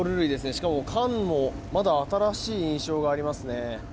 しかも缶もまだ新しい印象がありますね。